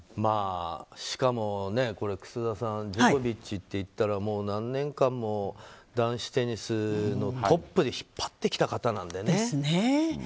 しかも、楠田さんジョコビッチっていったら何年間も男子テニスのトップで引っ張ってきた方なのでね。